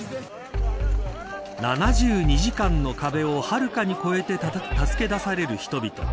７２時間の壁をはるかに超えて助け出される人々。